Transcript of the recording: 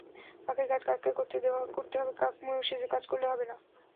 কাকের কাজ কাককে করতে হবে, কাক ময়ূর সেজে কাজ করলে হবে না।